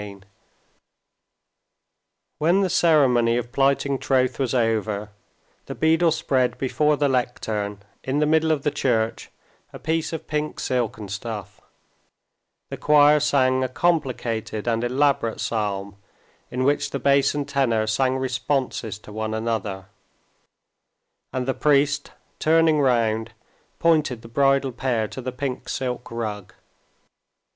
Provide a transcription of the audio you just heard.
Chapter 6 When the ceremony of plighting troth was over, the beadle spread before the lectern in the middle of the church a piece of pink silken stuff, the choir sang a complicated and elaborate psalm, in which the bass and tenor sang responses to one another, and the priest turning round pointed the bridal pair to the pink silk rug.